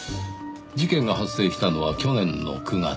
事件が発生したのは去年の９月。